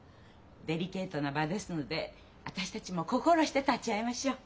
デリケートな場ですので私たちも心して立ち会いましょう。